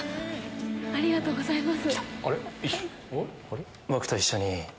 ありがとうございます。